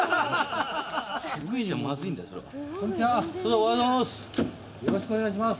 おはようございます。